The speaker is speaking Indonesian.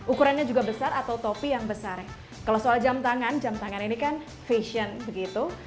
ukurannya juga besar atau topi yang besar kalau soal jam tangan jam tangan ini kan fashion begitu